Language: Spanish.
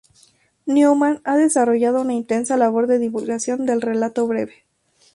Neuman ha desarrollado una intensa labor de divulgación del relato breve.